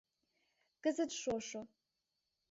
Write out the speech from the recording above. Кызыт шошо.